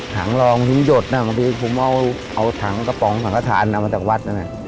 ถังรองยนต์หยดผมเอากระป๋องถังระถานเอามาจากวัดนั้น